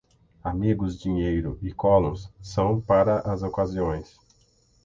Amigos, dinheiro e collons são para as ocasiões.